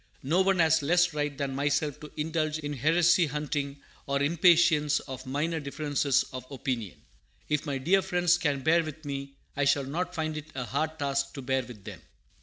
No one has less right than myself to indulge in heresy hunting or impatience of minor differences of opinion. If my dear friends can bear with me, I shall not find it a hard task to bear with them.